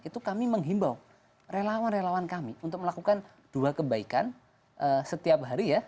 itu kami menghimbau relawan relawan kami untuk melakukan dua kebaikan setiap hari ya